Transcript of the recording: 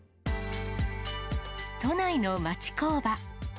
都内の町工場。